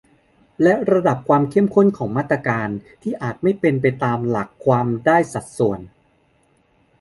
และระดับความเข้มข้นของมาตรการ ที่อาจไม่เป็นไปตามหลักความได้สัดส่วน